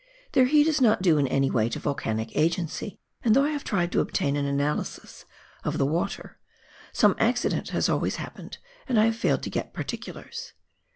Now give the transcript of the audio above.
Their heat is not due in any way to volcanic agency, and though I have tried to obtain an analysis of the water, some accident has always happened and I have failed to get particulars.